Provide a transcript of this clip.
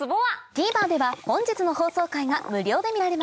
ＴＶｅｒでは本日の放送回が無料で見られます